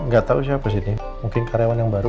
gak tau siapa sih ini mungkin karyawan yang baru